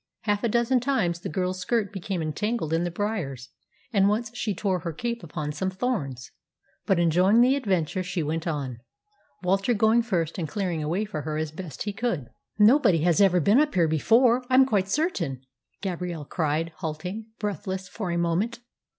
Half a dozen times the girl's skirt became entangled in the briars, and once she tore her cape upon some thorns. But, enjoying the adventure, she went on, Walter going first and clearing a way for her as best he could. "Nobody has ever been up here before, I'm quite certain," Gabrielle cried, halting, breathless, for a moment.